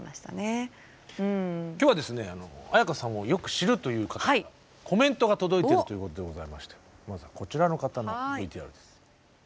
今日はですね絢香さんをよく知るという方からコメントが届いているということでございましてまずはこちらの方のＶＴＲです。